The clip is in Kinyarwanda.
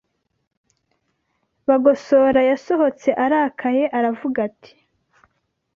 Bagosora yasohotse arakaye aravuga ati “